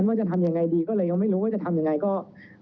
แล้วหลังจากนั้นเขาดิ้นผมก็เลยต้องไม่อยากให้เขาเห็นหน้าผมครับ